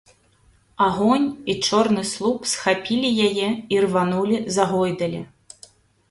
Агонь і чорны слуп схапілі яе, ірванулі, загойдалі.